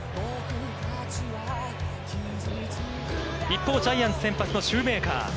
一方、ジャイアンツ先発のシューメーカー。